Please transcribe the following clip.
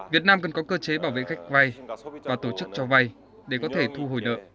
việt nam cần có cơ chế bảo vệ khách vay và tổ chức cho vay để có thể thu hồi nợ